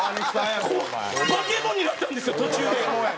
化け物になったんですよ途中で。